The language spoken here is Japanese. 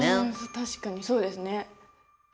確かにそうですね。